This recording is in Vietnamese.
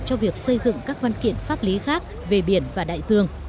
cho việc xây dựng các văn kiện pháp lý khác về biển và đại dương